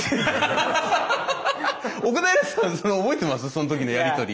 その時のやり取り。